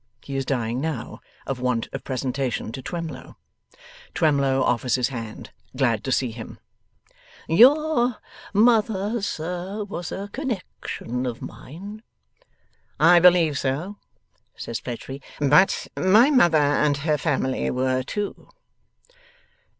He is dying now, of want of presentation to Twemlow. Twemlow offers his hand. Glad to see him. 'Your mother, sir, was a connexion of mine.' 'I believe so,' says Fledgeby, 'but my mother and her family were two.